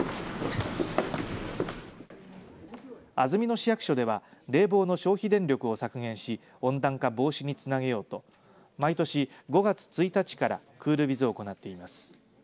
安曇野市役所では冷房の消費電力を削減し温暖化防止につなげようと毎年、５月１日からクールビズを行っています。